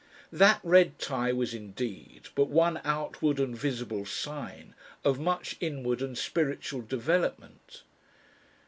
That red tie was indeed but one outward and visible sign of much inward and spiritual development.